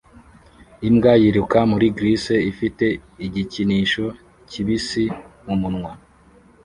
Imbwa yiruka muri grss ifite igikinisho kibisi mumunwa